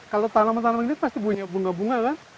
kalau tanaman tanaman ini pasti punya bunga bunga kan